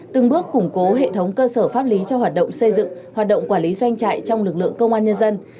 từng bước củng cố hệ thống cơ sở pháp lý cho hoạt động xây dựng hoạt động quản lý doanh trại trong lực lượng công an nhân dân